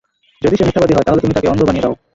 যদি সে মিথ্যাবাদী হয় তাহলে তুমি তাকে অন্ধ বানিয়ে দাও।